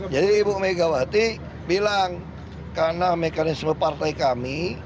jadi ibu megawati bilang karena mekanisme partai kami